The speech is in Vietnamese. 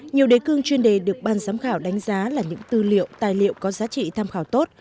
nhiều đề cương chuyên đề được ban giám khảo đánh giá là những tư liệu tài liệu có giá trị tham khảo tốt